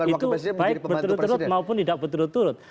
itu baik berturut turut maupun tidak berturut turut